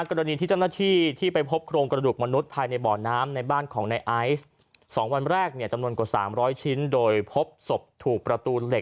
กรณีที่เจ้าหน้าที่ที่ไปพบโครงกระดูกมนุษย์ภายในบ่อน้ำในบ้านของในไอซ์๒วันแรกเนี่ยจำนวนกว่า๓๐๐ชิ้นโดยพบศพถูกประตูเหล็ก